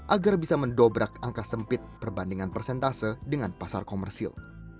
agar bisa mendobrak angka sempit perbandingan persentase dengan pasar komersil